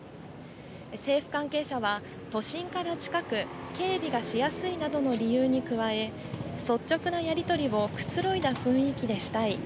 政府関係者は、都心から近く、警備がしやすいなどの理由に加え、率直なやり取りをくつろいだ雰囲気でしたい。